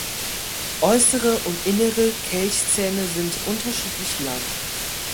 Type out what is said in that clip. Äußere und innere Kelchzähne sind unterschiedlich lang.